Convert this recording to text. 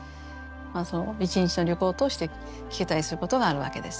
その一日の旅行を通して聞けたりすることがあるわけです。